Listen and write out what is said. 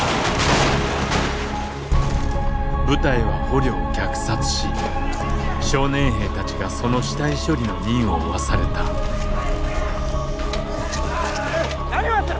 部隊は捕虜を虐殺し少年兵たちがその死体処理の任を負わされた何をやってる！